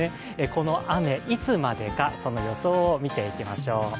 この雨、いつまでかその予想を見ていきましょう。